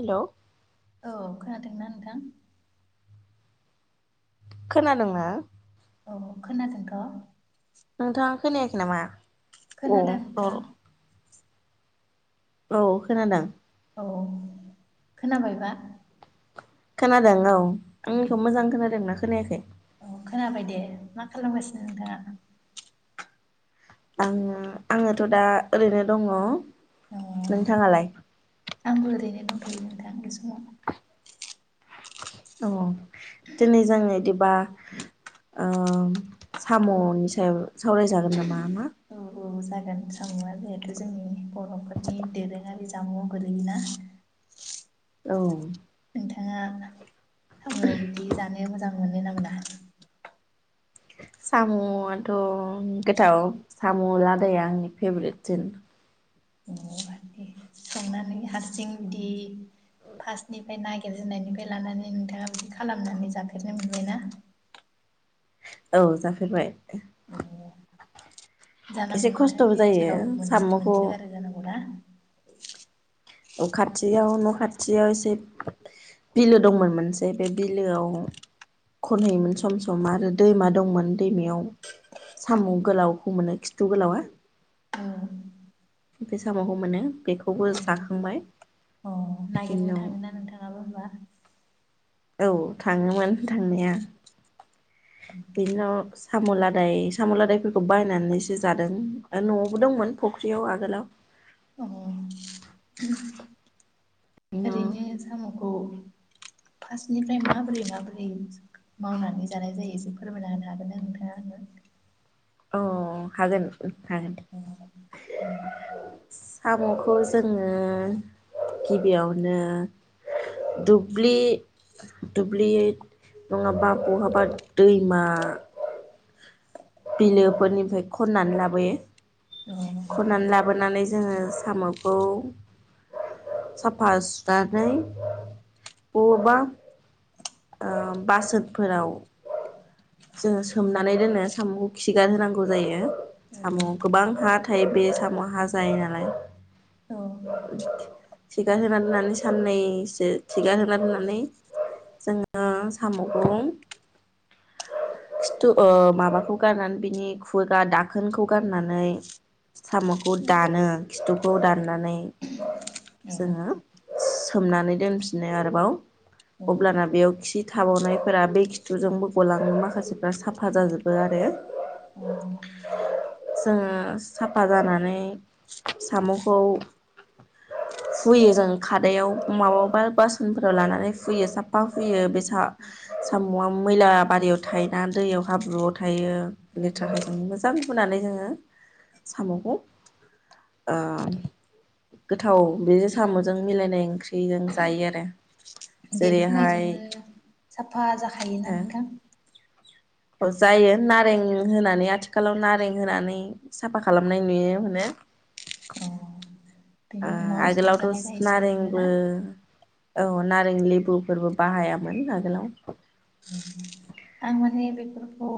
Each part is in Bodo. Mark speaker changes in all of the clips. Speaker 1: हेल'
Speaker 2: औ खोनादोंना नोंथां?
Speaker 1: खोनादोंना?
Speaker 2: औ खोनादोंथ'
Speaker 1: नोंथाङा खोनायाखै नामा? अ
Speaker 2: खोनादों
Speaker 1: र'
Speaker 2: नोंथां
Speaker 1: र' औ खोनादों
Speaker 2: औ खोनाबायबा?
Speaker 1: खोनादों औ। आंनिखौ' मोजां खोनादों ना खोनायाखै?
Speaker 2: औ खोनाबाय दे मा खालामगासिनो नोंथाङा?
Speaker 1: आङो आङोथ' दा ओरैनो दङ
Speaker 2: अ
Speaker 1: नोंथाङालाय?
Speaker 2: थां बे समाव।
Speaker 1: औ दिनै जों इदिबा ओ साम'नि सायाव सावरायजागोन नामा मा
Speaker 2: औ औ जागोन सामुआ जोंहेथ' जोंनि बर'फोरनि दोरोङारि जामुंआव गोलैयोना?
Speaker 1: औ।
Speaker 2: थाङा थाङो बिदि जानो मोजां मोनोना मोना?
Speaker 1: साम'आथ' गोथाव साम' लादाया आंनि फेभरेटसिन।
Speaker 2: अ दे संनानै हारसिं बिदि फासनि ओमफ्राय नागिरजेननायनिफ्राय लानानै नोंथाङा बिदि खालामनानै जाफेरनो मोनबायना?
Speaker 1: औ जाफेरबाय।
Speaker 2: औ
Speaker 1: एसे
Speaker 2: जानांगौ
Speaker 1: खस्थ'बो
Speaker 2: नोंथांनि
Speaker 1: जायो
Speaker 2: ओनसोलाव मोनसो
Speaker 1: साम'खौ
Speaker 2: मोनसोगारो जानांगौ ना? औ।
Speaker 1: औ खाथियाव न' खाथियाव एसे बिलो दंमोन मोनसे बे बिलोआव खनहैयोमोन सम सम आरो दैमा दंमोन दैमायाव साम' गोलावखौ मोनो खिथु गोलावा
Speaker 2: औ
Speaker 1: बे साम'खौ मोनो बेखौबो जाखांबाय।
Speaker 2: अ नागिरनो
Speaker 1: उनाव
Speaker 2: थाङोना नोंथाङाबो होनबा?
Speaker 1: औ थाङोमोन नोंथा। नाया बिनि उनाव साम'लादाय साम'लादायफोरखौ बायनानैसो जादों आरो न'आवबो दंमोन फुख्रियाव आगोलाव
Speaker 2: अ [unintelligible] ओरैनो
Speaker 1: अ
Speaker 2: साम'खौ फार्स्टनिफ्राय माबोरै माबोरै मावनानै जानाय जायो एसे फोरमायना होनो हागोनना नोंथाङा आंनो?
Speaker 1: अ हागोन। हागोन
Speaker 2: [inaudible]
Speaker 1: साम'खौ जोङो गिबियावनो दुब्लि दुब्लि नङाबा बहाबा दैमा बिलोफोरनिफ्राय खन्नानै लाबोयो
Speaker 2: औ
Speaker 1: खननानै लाबोनानै जोङो साम'खौ साफा सुनानै बबावबा ओ बासोनफोराव जोङो सोमनानै दोनो साम'खौ खिगार होनांगौ जायो साम' गोबां हा थायो बे साम' हा जायो नालाय खिगारहोना दोननानै साननैसो खिगार होनो दोननानै जोङो साम'खौ खिथु ओ माबाखौ गाननानै बिनि खुवगा दाखोनखौ गाननानै साम'खौ दानो खिथुखौ दाननानै जोङो सोमनानै दोनफिनो आरोबाव
Speaker 2: औ
Speaker 1: अब्लाना बेयाव खि थाबावनायफोरा बे खिथुजोंबो गलांओ माखासेफ्रा साफा जाजोबो आरो
Speaker 2: औ
Speaker 1: जोङो साफा जानानै साम'खौ फुयो जों खादायाव माबावबा बासोनफोराव लानानै हुयो साफा हुयो बे साम'आ मैला बारियाव थायोना दैयाव हाब्रुआव थायो
Speaker 2: औ
Speaker 1: लेथ्राखाय जों मोजां हुनानै जोङो साम'खौ ओ गोथाव बे साम'जों मिलायनाय ओंख्रिजों जायो आरो
Speaker 2: बे
Speaker 1: जेरैहाय
Speaker 2: फुननायजोंनो साफा जाखायोना नोंथां?
Speaker 1: जायो नारें होनानै आथिखालाव नारें होनानै साफा खालामनाय नुनो मोनो।
Speaker 2: अ
Speaker 1: आ
Speaker 2: बेनि उनाव संजानाय
Speaker 1: आगोलावथ'
Speaker 2: जाहैसिगोन आरोना
Speaker 1: नारेंबो औ नारें लेबुफोरबो बाहायामोन आगोलाव।
Speaker 2: आं माने बेफोर खौ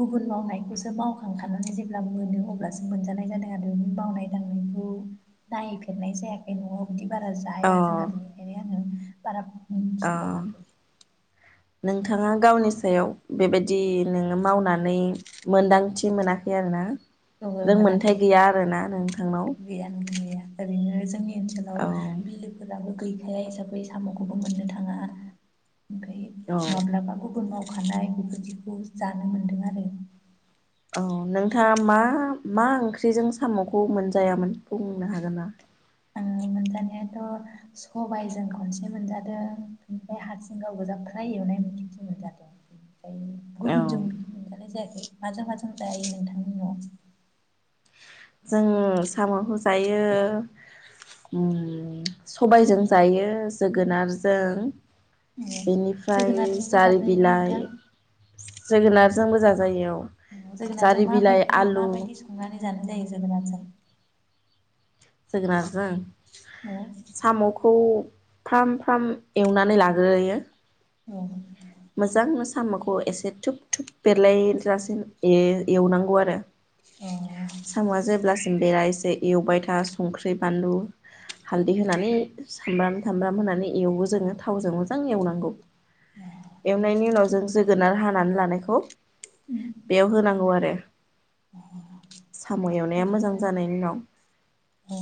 Speaker 2: गुबुन मावनायखौसो मावखांखानानै जेब्ला मोनो अब्लासो मोनजानाय जादों आरो बे मावनाय दांनायखौ नायफेरनाय जायाखै न'आव बिदि बारा
Speaker 1: अ
Speaker 2: जाया जोंहा बेनिखायनो आङो बारफ
Speaker 1: अ नोंथां बिथाङा गावनि सायाव बेबायदि नोङो मावनानै मोनदांथि मोनाखै आरोना
Speaker 2: गोहो मोनाखै
Speaker 1: रोंमोनथाय गैया आरोना नोंथांनाव
Speaker 2: गैयानो गैया ओरैनो जोंनि
Speaker 1: औ
Speaker 2: ओनसोलाव बिलोफोराबो गैखाया हिसाबै साम'खौबो मोननो थाङा ओमफ्राय
Speaker 1: औ
Speaker 2: माब्लाबा गुबुन माब खानाय बेबायदिखौ जानो मोन्दों आरो।
Speaker 1: औ नोंथाङा मा मा ओंख्रिजों साम'खौ मोनजायामोन बुंनो हागोन ना?
Speaker 2: ओम मोनजानायाथ' सबायजों खनसे मोनजादों बेनिफ्राय हारसिंगाव गोजा फ्राय एवनाय मोनजादों। ओमफ्राय
Speaker 1: औ
Speaker 2: गुबुनजों बिदि मोनजानाय जायाखै। माजों माजों जायो नोंथांनि न'आव?
Speaker 1: जों साम'खौ जायो सबायजों जायो जोगोनारजों।
Speaker 2: ए
Speaker 1: बेनिफ्राय
Speaker 2: जोगोनारजोंबो
Speaker 1: जारि
Speaker 2: जाजायोना
Speaker 1: बिलाइ
Speaker 2: नोंथां
Speaker 1: जोगोनारजोंबो जाजायो औ
Speaker 2: जोगोरजो
Speaker 1: जारि बिलाइ
Speaker 2: माबायदि
Speaker 1: आलु
Speaker 2: माबायदि संनानै जानाय जायो? जोगोनारजों
Speaker 1: जोगोनारजों
Speaker 2: औ
Speaker 1: साम'खौ फ्राम फ्राम एवनानै लाग्रोयो।
Speaker 2: औ
Speaker 1: मोजांनो साम'खौ एसे धुुब थुुब बेरलाय लासे ए-एवनांगौ आरो
Speaker 2: अ
Speaker 1: साम'आ जेब्लासिम बेरा इ जे एवबाय था संख्रि बानलु हालदै होनानै सामब्राम सामब्राम होनानै एवो जोङो थावजों मोजां एवनांगौ।
Speaker 2: [inaudible]
Speaker 1: एवनायनि उनाव जों जोगोनार हानानै लानायखौ बेयाव होनांगौ आरो साम' एवनाया मोजां
Speaker 2: ओरैनो
Speaker 1: जानायनि उनाव
Speaker 2: औ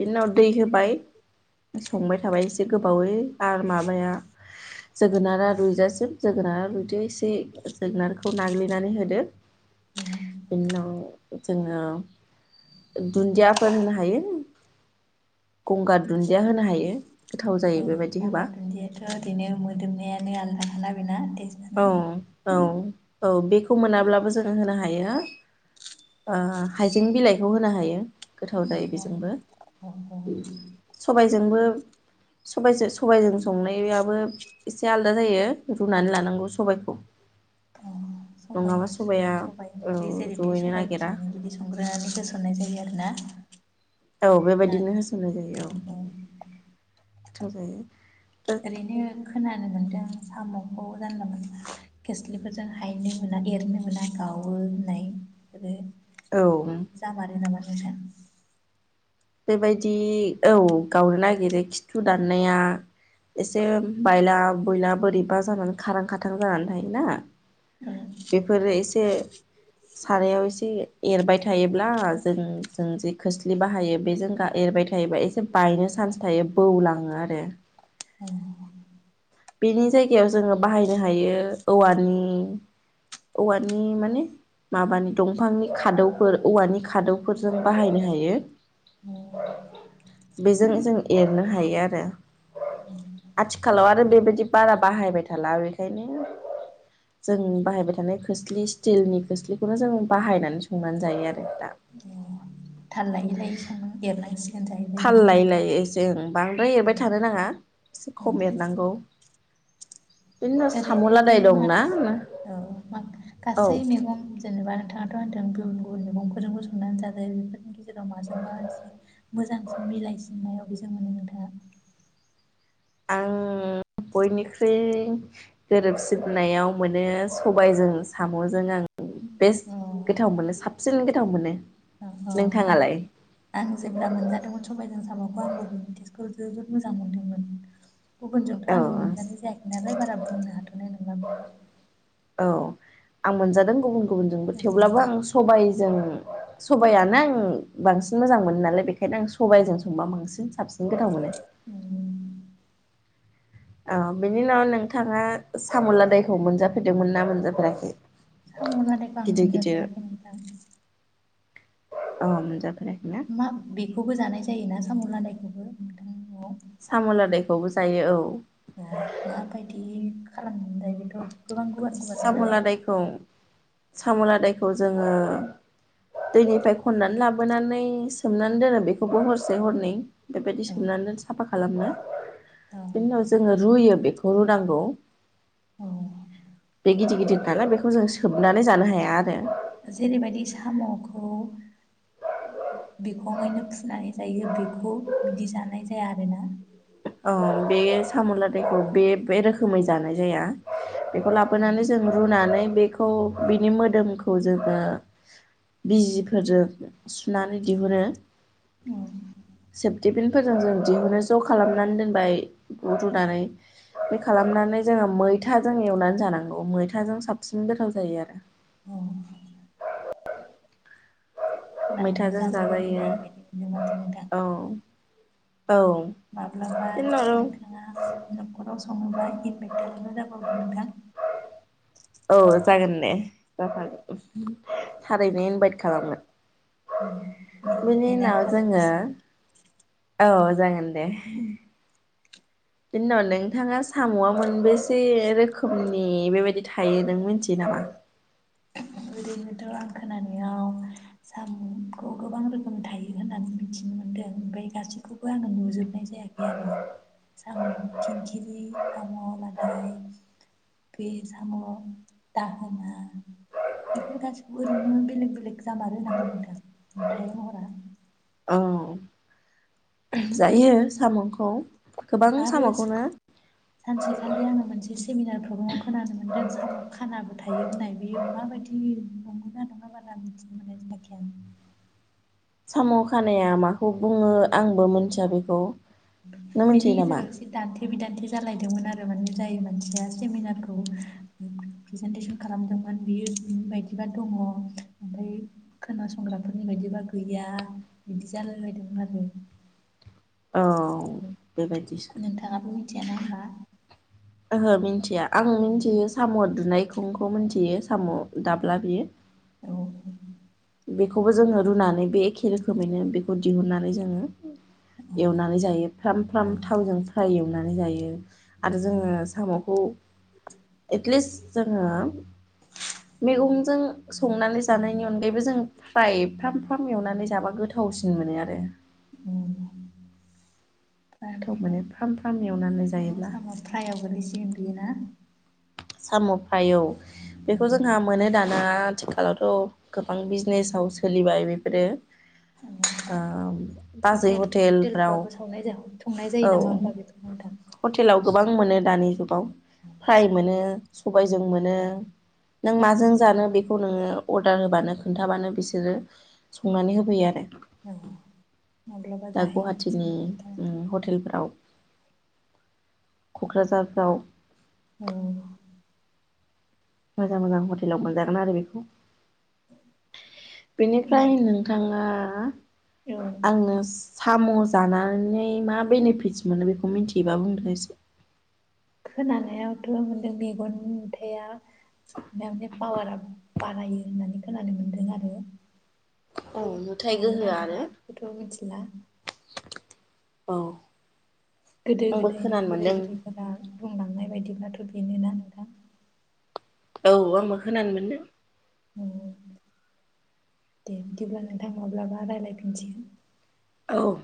Speaker 1: बिनि उनाव दै होबाय संबाय थाबाय एसे गोबावै आरो माबाया जोगोनारा रुइजासिम जोगोनारा रुइदो एसे जोगोनारखौ नाग्लिनानै होदो बिनि उनाव जोङो दुन्दियाफोर होनो हायो गंगार दुन्दिया होनो हायो। गोथाव जायो
Speaker 2: औ
Speaker 1: बेबायदि होबा
Speaker 2: गंगार दुन्दियाथ ओरैनो मोदोमनायानो आलदा ना ना
Speaker 1: औ औ। औ बे। खौ मोनाब्लाबो जोङो होनो हायो। ओ- हाइजें बिलाइखौ होनो हायो। गोथाव जायो बेजोंबो
Speaker 2: अ अ अ
Speaker 1: सबायजोंबो। सबायजो सबायजों। संनायाबो एसे आलादा जायो। रुनानै लानांग सबायखौ।
Speaker 2: सबाइ सबाइ
Speaker 1: औ
Speaker 2: ओंख्रि जेरैबायदि
Speaker 1: रुइनो
Speaker 2: सबाइखौ
Speaker 1: नागिरा
Speaker 2: सङो बिदि संग्रोनानै होसननाय जायो आरोना?
Speaker 1: औ
Speaker 2: ना
Speaker 1: बेबायदिनो होसननाय जायो औ। गोथाव जायो।
Speaker 2: ओरैनो खोना। जानो मोन्दों सामखौ जानला मोनला खोस्लिफोरजों हायनो मोना एरनो मोना गावो होननाय आरो।
Speaker 1: औ
Speaker 2: जामारो नामा? नोंथां।
Speaker 1: बेबायदि औ गावनो नागिरो खिथु दाननाया एसे बायला बुइला बोरैबा जानानै खारां खाथां जानानै थायोना
Speaker 2: औ
Speaker 1: बेफोरो एसे सारायाव एसे एरबाय थायोब्ला जों जों जे खोस्लि बाहायो। बेजों एरबाय थायोबा एसे बायनो चान्स थायो बौलाङो आरो। बेनि जायगायाव जोङो बाहायनो हायो औवानि औवानि माने माबानि दंफांनि खादौफोर औवानि खादौफोरजों बाहायनो हायो
Speaker 2: अ
Speaker 1: बेजों जों एरनो हायो आरो आथिखालाव आरो। बेबायदि बारा बाहायबाय थाला बेखायनो जों बाहायबाय थानाय खोस्लि स्टिलनि खोस्लिखौनो जों बाहायनानै संनानै जायो आरो दा।
Speaker 2: अ थाल लायै लायै संना एरनांसि
Speaker 1: थाल लायैलायै एसे ओं बांद्राय एरबाय थानो नाङा खम एरनांगौ। बिनि उनाव साम'
Speaker 2: ओरैनो बे
Speaker 1: लादाय दंना
Speaker 2: माखासे औ
Speaker 1: औ
Speaker 2: गासै मैगं जेनेबा नोंथाङाथ' होनदों। गुबुन गुबुन मैगंफोरजोंबो संनानै जा जायो बेफोरनि गेजेराव माजोंबा एसे मोजांसिन मिलायसिननायाव अबेजों मोनो मोनो नोंथांआ?
Speaker 1: आं बयनिख्रुइ गोरोबसिननायाव मोनो सबायजों सामजों आं। बेस्ट
Speaker 2: औ
Speaker 1: गोथाव मोनो साबसिन गोथाव मोनो
Speaker 2: औ औ आं
Speaker 1: नोंथाङालाय
Speaker 2: आं जेब्ला मोनजादोंमोन सबायजों सामखौ आंबो मिथि। बे खौ जोबोद मोजां मोनदोंमोन। गुबुनजोंथ'
Speaker 1: औ
Speaker 2: आं मोनजानाय जायाखै नालाय बारा बुंनो हाथनाय नङा। [unintelligible]
Speaker 1: औ आं मोनजादों गुबुन गुबु गुबुनजोंबो थेवब्लाबो
Speaker 2: बेखौ।
Speaker 1: आं सबाय। जों सबायानो आं बांसिन मोजां मोनो नालाय बेखायनो आं सबाइजों संबा बांसिन साबसिन गोथाव मोनो। औ बिनि उनाव नोंथाङा साम'लादायखौ मोनजाफेरदोंमोन ना मोनजाफेराखै?
Speaker 2: साम लादाय‌ आं
Speaker 1: गिदिर
Speaker 2: मोनजाफेराखै नोंथां।
Speaker 1: ओ- मोनजाफेराखै।
Speaker 2: मा बे खौबो जानाय जायो ना साम' लादायखौबो नोंथां न'आव?
Speaker 1: साम' लादायखौबो जायो औ।
Speaker 2: अ माबायदि खालाम ओमफ्राय बेथ' गोबां गुवार गुवार
Speaker 1: साम'
Speaker 2: ना?
Speaker 1: लादायखौ साम' लादायखौ जोङो दैनिफ्राय खननानै लाबोनानै सोमनानै दोनो बेखौबो हरसे हरनै। बेबायदि
Speaker 2: औ
Speaker 1: सोमनानै दोन सा साफा खालामनो
Speaker 2: औ
Speaker 1: बिनि उनाव जोङो रुयो बेखौ। हर' नांगौ।
Speaker 2: औ
Speaker 1: बे गिदिर गिदिर नालाय बेखौ जों सोबनानै जानो हाया आरो।
Speaker 2: जेरैबायदि साम'खौ बिखङैनो फुनानै जायो बेखौ बिदि जानाय जाया आरोना।
Speaker 1: औ बे साम'लादायखौ बे बे रोखोमै जानाय जाया। बेखौ
Speaker 2: औ
Speaker 1: लाबोनानै जों रुनानै बेखौ बेनि मोदोमखौ जोङो बिजिफोरजों सुनानै दिहुनो,
Speaker 2: औ
Speaker 1: सेफटिबिनफोरजों जों दिहुनो ज' खालामना नानै दोनबाय रुदुनानै बे खालामनानै जोङो मैथाजों एवनानै जानांगौ मैथाजों साबसिन गोथाव जायो आरो।
Speaker 2: औ खोनानानै
Speaker 1: मैथाजों
Speaker 2: जानो
Speaker 1: जाजायो
Speaker 2: लुबैनाय बायदि मोनदों माथो नोंथां
Speaker 1: औ। औ
Speaker 2: माब्लाबा नोंथाङा न'खराव सङोबा इमपेक्ट खालामनो दाबावदो नोंथां।
Speaker 1: औ जागोन दे, जफागोन थारैनो इनभाइट खालामोन। बिनि
Speaker 2: नेनानै
Speaker 1: उनाव
Speaker 2: थानाय
Speaker 1: जोङो
Speaker 2: जासिगोन
Speaker 1: औ जागोन दे। बेना उनाव नोंथाङा साम'आ मोनबेसे रोखोमनि बेबायदि थायो नों मिथियो नामा?
Speaker 2: खौथ' आं खोनानायाव साम'खौ गोबां रोखोम थायो होननानै मिथिनो मोन्दों ओमफ्राय गासैखौबो आङो नुजोबनाय जायाखै आरो। साम' खिंखिरि, साम' लादाय, बे साम' दाहोना बेफोर गासिखौबो ओरैनो बेलेग बेलेग जामारो नामा नोंथां नुथाय महरा?
Speaker 1: औ जायो साम'खौ। गोबां
Speaker 2: आरो
Speaker 1: साम'खौनो
Speaker 2: सानसेखालि आङो मोनसे सेमिनार मगाव खोनानो मोनदों साम' खानाबो थायो होननाय बेयो माबायदि नंगौ ना नङा बारा मिथिनो मोननाय जायाखै आं‌।
Speaker 1: साम' खानाया माखौ बुङो आंबो मोनथिया बेखौ। नों
Speaker 2: बिनि
Speaker 1: मिथियो नामा?
Speaker 2: गेजेराव सि दान्थे बिदान्थे जालायदोंमोन आरो माने जाय मानसिया सेमिनारखौ प्रेजेेनटेसन खालामदोंमोन बियो बिनि बायदिबा दङ ओमफ्राय खोनासंग्राफोरनि बायदिबा गैया बिदि जालायलायदोंमोन आरो।
Speaker 1: औ। बेबायदिसो
Speaker 2: नोंथाङाबो मिथियाना होमबा?
Speaker 1: ओहो मिन्थिया। आं मिथियो साम' दुनायखौ। फुंखौ मोनथियो साम' दाब्ला बियो।
Speaker 2: औ।
Speaker 1: बेखौबो जोङो रुनानै बे एखे रोखोमैनो बेखौ दिहुननानै जोङो एवनानै जायो फ्राम फ्राम थावजों फ्राय एवनानै जायो। बेयो आरो जोङो साम'खौ एटलिस्ट जोङो मैगंजों संनानै जानायनि अनगायैबो जों फ्राइ फ्राम फ्राम एवनानै जाबा गोथावसिन मोनो आरो
Speaker 2: उम फ्राम
Speaker 1: गोथाव
Speaker 2: फ्राम
Speaker 1: मोनो फ्राम एवनानै
Speaker 2: ओ
Speaker 1: जायोब्ला
Speaker 2: साम' फ्रायआव गोलैसिगोन बियोना?
Speaker 1: साम' फ्राय औ। बेखौ जोंहा
Speaker 2: ना
Speaker 1: मोनो दाना आथिखालावथ' गोबां बिजिनेस आव सोलिबाय बेफोरो औ बाजै
Speaker 2: हटेल
Speaker 1: हटेलफ्राव
Speaker 2: हटेलफ्रावबो सावनाय संनाय जायो
Speaker 1: औ
Speaker 2: नामा होमबा बेखौ नोंथां
Speaker 1: हटेलाव गोबां मोनो दानि जु गाव फ्राय मोनो सबायजों मोनो नों माजों जानो बेखौ नोङो अरदार होबानो खोन्थाबानो बिसोरो संनानै होफैयो आरो।
Speaker 2: अ माब्लाबा
Speaker 1: दा
Speaker 2: जाहै
Speaker 1: गुवाहाटिनि
Speaker 2: नांसिगोन
Speaker 1: उम हटेलफ्राव क'क्राझारफ्राव
Speaker 2: औ
Speaker 1: मोजां मोजां हटेलाव मोनजागोन आरो बेखौ। बेनिफ्राय
Speaker 2: नोंथां
Speaker 1: नोंथाङा ङा
Speaker 2: औ
Speaker 1: आंनो साम' जानानै मा बेनिफिटस मोनो बेखौ मिन्थियोबा बुंदों एसे?
Speaker 2: खोनानायाव थ' मोनदों मेगन नुथाया माने पावारा बारायो होननानै खोनानो मोनदों आरो औ
Speaker 1: नुथाय
Speaker 2: नंगौना
Speaker 1: गोहोआनो
Speaker 2: नङा बेखौथ' मोनथिला
Speaker 1: औ
Speaker 2: गोदो
Speaker 1: आंबो
Speaker 2: गोदायनि
Speaker 1: खोनानो
Speaker 2: बोराय
Speaker 1: मोनदों
Speaker 2: बुरैफोरा बुंलांनाय बायदिब्लाथ' बेनोना नोंथां?
Speaker 1: औ आंबो खोनानो मोनदों
Speaker 2: औ दे बिदिब्ला नोंथां माब्लाबा रायलायफिनसिगोन।
Speaker 1: औ